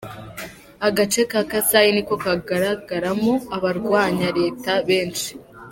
Agace ka Kasai ni ko kagaragaramo abarwanya leta benshi.